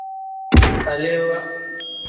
Alewaa.